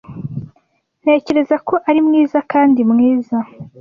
Ntekereza ko ari mwiza kandi mwiza.